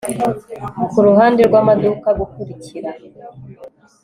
kuruhande rwamaduka gukurikira